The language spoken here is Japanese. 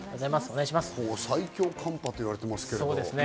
最強寒波と言われてますけど。